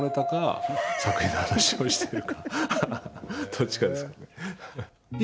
どっちかですかね。